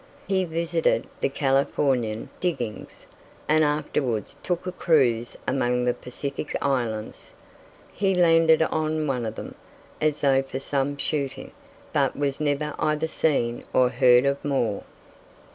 He visited the Californian diggings, and afterwards took a cruise among the Pacific Islands. He landed on one of them, as though for some shooting, but was never either seen or heard of more.